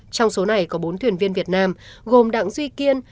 trong số này có bốn tuyển viên việt nam gồm đặng duy kiên